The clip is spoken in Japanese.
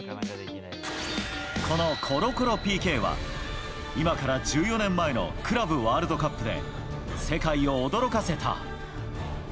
このコロコロＰＫは、今から１４年前のクラブワールドカップで、世界を驚かせた。